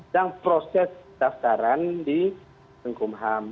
dan proses daftaran di tengkom hamad